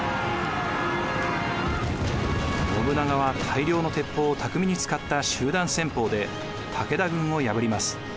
信長は大量の鉄砲を巧みに使った集団戦法で武田軍を破ります。